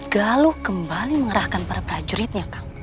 galuh kembali mengerahkan para prajuritnya kang